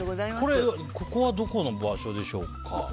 ここはどこの場所でしょうか？